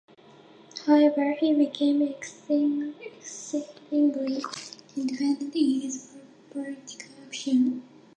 However, he became exceedingly independent in his political action.